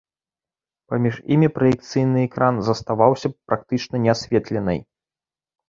Паміж імі праекцыйны экран заставаўся б практычна неасветленай.